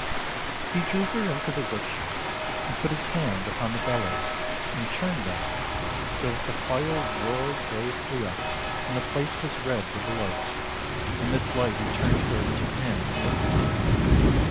He drew her into the workshop, and put his hand upon the bellows and churned them, so that the fire roared joyously up, and the place was red with the light. In this light he turned her to him and looked at her.